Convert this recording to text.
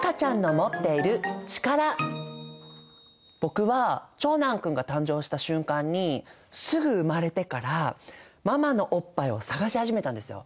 僕は長男君が誕生した瞬間にすぐ生まれてからママのおっぱいを探し始めたんですよ。